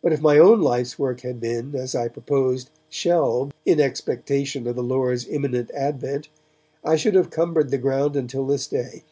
But if my own life's work had been, as I proposed, shelved in expectation of the Lord's imminent advent, I should have cumbered the ground until this day.